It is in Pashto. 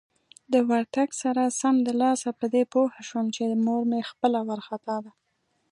د ورتګ سره سمدلاسه په دې پوه شوم چې مور مې خپله وارخطا ده.